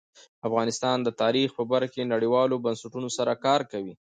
افغانستان د تاریخ په برخه کې نړیوالو بنسټونو سره کار کوي.